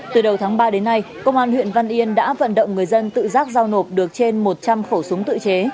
từ đầu tháng ba đến nay công an huyện văn yên đã vận động người dân tự giác giao nộp được trên một trăm linh khẩu súng tự chế